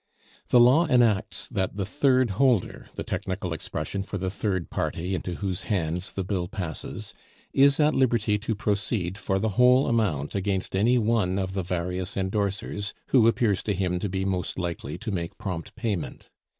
The law enacts that the third holder, the technical expression for the third party into whose hands the bill passes, is at liberty to proceed for the whole amount against any one of the various endorsers who appears to him to be most likely to make prompt payment.